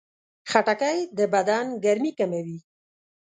خټکی د بدن ګرمي کموي.